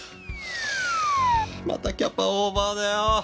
またキャパオーバーだよ！